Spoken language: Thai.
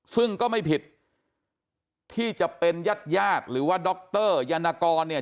ซึ่งก็ไม่ผิดที่จะเป็นญาติญาติหรือว่าดรยานกรเนี่ย